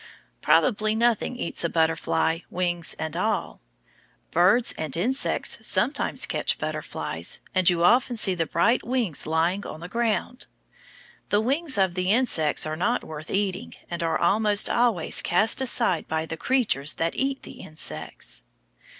Probably nothing eats a butterfly, wings and all. Birds and insects sometimes catch butterflies, and you often see the bright wings lying on the ground. The wings of insects are not worth eating, and are almost always cast aside by the creatures that eat the insects.